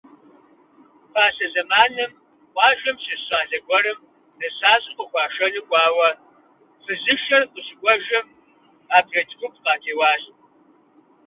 Пасэ зэманым къуажэм щыщ щӀалэ гуэрым нысащӀэ къыхуашэну кӀуауэ, фызышэр къыщыкӀуэжым, абрэдж гуп къатеуащ.